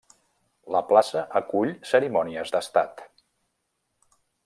La plaça acull cerimònies d'Estat.